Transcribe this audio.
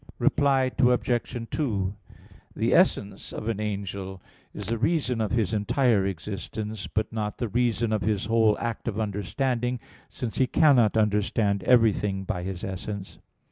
Reply Obj. 2: The essence of an angel is the reason of his entire existence, but not the reason of his whole act of understanding, since he cannot understand everything by his essence.